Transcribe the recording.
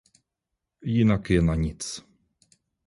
Jinak je na nic.